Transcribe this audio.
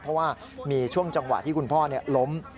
เพราะว่ามีช่วงจังหวะที่คุณพ่อล้ม